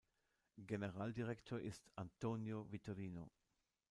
Generaldirektor ist António Vitorino.